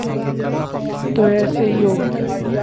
تو ایسے ہی ہوگا۔